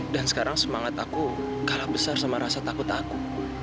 dan sekarang semangat aku kalah besar sama rasa takut aku